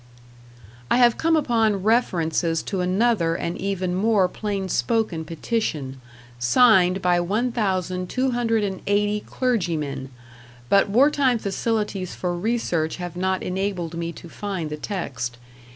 I have come upon references to another and even more plainspoken petition, signed by 1,280 clergymen; but war time facilities for research have not enabled me to find the text.